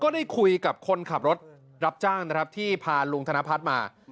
ได้คุยกับคนขับรถรับจ้างนะครับที่พาลุงธนพัฒน์มา